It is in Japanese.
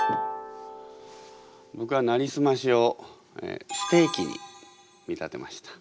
僕は「なりすまし」をステーキに見立てました。